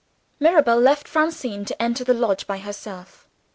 Mirabel left Francine to enter the lodge by herself.